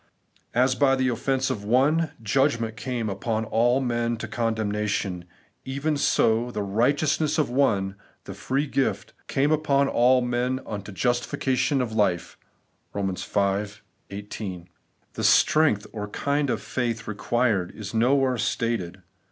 As by the offence of one, judgment came upon all men to condemnation; even so by the RIGHTEOUSNESS OF ONE, the free gift came upon all men unto justification of life' (Eom. v. 18). The strength or kind of faith required is nowhere stated.